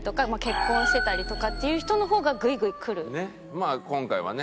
まあ今回はね